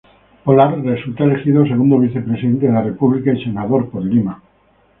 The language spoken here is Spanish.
Polar resultó elegido Segundo Vicepresidente de la República y senador por Lima.